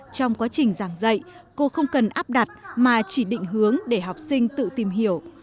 trong quá trình giảng dạy cô không cần áp đặt mà chỉ định hướng để học sinh tự tìm hiểu